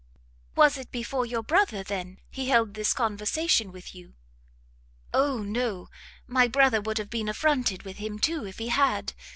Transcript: "Was it before your brother, then, he held this conversation with you?" "O no, my brother would have been affronted with him, too, if he had!